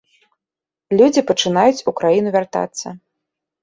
Людзі пачынаюць у краіну вяртацца.